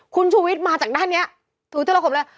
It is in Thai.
คุณชูวิทย์มาจากด้านนี้ถือจุลขมเลย